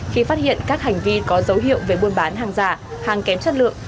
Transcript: khi phát hiện các hành vi có dấu hiệu về buôn bán hàng giả hàng kém chất lượng